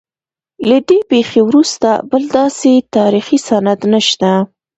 له دې پیښې وروسته بل داسې تاریخي سند نشته.